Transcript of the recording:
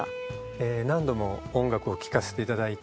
え何度も音楽を聴かせていただいて。